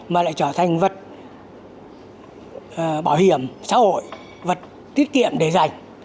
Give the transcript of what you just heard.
mà lại trở thành vật bảo hiểm xã hội vật tiết kiệm để dành